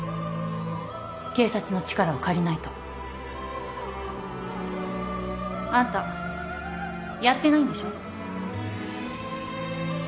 警察の力を借りないと。あんたやってないんでしょ？